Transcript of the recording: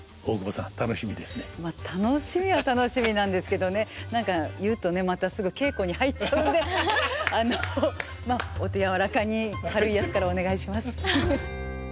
まあ楽しみは楽しみなんですけどね何か言うとねまたすぐ稽古に入っちゃうんであのまあお手柔らかに軽いやつからお願いします。